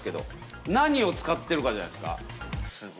何を使ってるかじゃないですか。